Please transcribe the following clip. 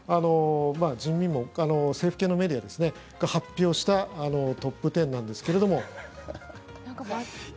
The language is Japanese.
人民網政府系のメディアが発表したトップ１０なんですけれども。